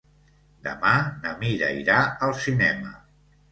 Demà na Mira irà al cinema.